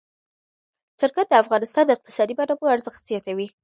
چرګان د افغانستان د اقتصادي منابعو ارزښت زیاتوي.